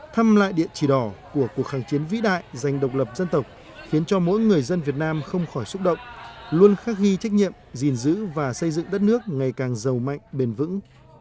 thăm lại địa chỉ đỏ của cuộc kháng chiến vĩ đại dành độc lập dân tộc khiến cho mỗi người dân việt nam không khỏi xúc động luôn khắc ghi trách nhiệm gìn giữ và xây dựng đất nước ngày càng giàu mạnh bền vững